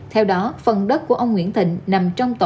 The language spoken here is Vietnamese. theo đó phần đất của ông nguyễn thịnh nằm trong tổng hợp